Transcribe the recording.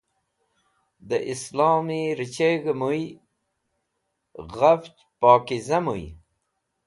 Dẽ islomi rẽcheg̃h mũy ghaf pokiza muy.